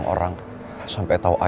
dia juga nya nyampe dia